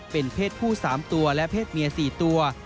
เป็นเพศผู้๓ตัวและเพศเมีย๔ตัว